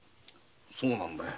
そうなんだよ。